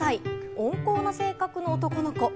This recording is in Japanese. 温厚な性格の男の子。